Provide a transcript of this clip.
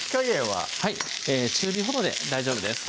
はい中火ほどで大丈夫です